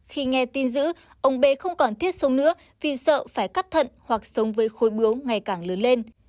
khi nghe tin giữ ông b không còn thiết sông nữa vì sợ phải cắt thận hoặc sống với khối bướu ngày càng lớn lên